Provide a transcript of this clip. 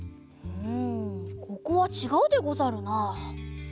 うんここはちがうでござるな。